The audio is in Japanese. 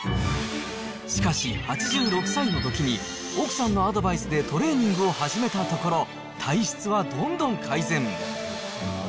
しかし８６歳のときに、奥さんのアドバイスでトレーニングを始めたところ、体質はどんどん改善。